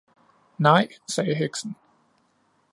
"Nej" sagde heksen.